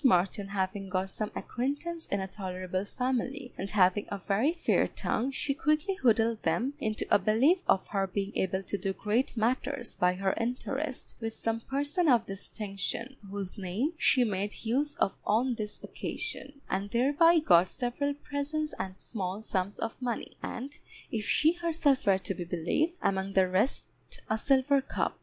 Martin having got some acquaintance in a tolerable family, and having a very fair tongue, she quickly wheedled them into a belief of her being able to do great matters by her interest with some person of distinction, whose name she made use of on this occasion, and thereby got several presents and small sums of money, and (if she herself were to be believed) among the rest a silver cup.